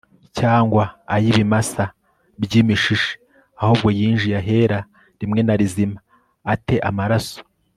cyangwa ay ibimasa by imishishe ahubwo yinjiye ahera rimwe na rizima a te amaraso